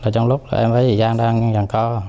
trong lúc em với chị giang đang dàn co